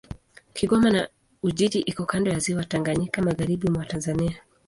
Kigoma na Ujiji iko kando ya Ziwa Tanganyika, magharibi mwa Tanzania.